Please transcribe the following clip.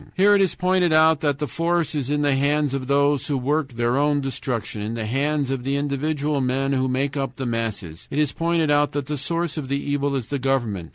Here it is pointed out that the force is in the hands of those who work their own destruction, in the hands of the individual men who make up the masses; it is pointed out that the source of the evil is the government.